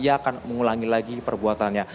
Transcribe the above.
akan mengulangi lagi perbuatannya